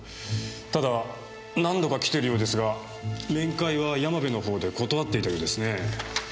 ただ何度か来てるようですが面会は山部のほうで断っていたようですね。